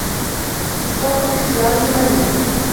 فَهُوَ فِي اخْتِيَارِهِ مَلُومٌ